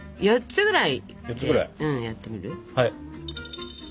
４つぐらいはい。